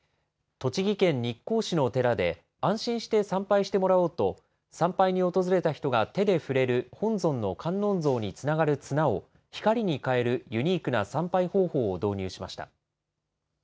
栃木県日光市の寺で、安心して参拝してもらおうと、参拝に訪れた人が手で触れる本尊の観音像につながる綱を、光に代えるユニークな参拝方法を導入しました。